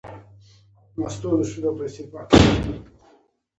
زه شکره لرم.